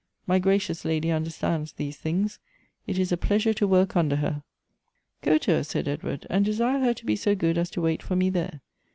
My gracious lady understands these things ; it is a pleasure to work under her." " Go to her," said Edward, " and desire her to be so good as to wait for ine there.